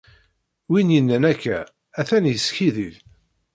Win yennan akka, atan yeskaddeb.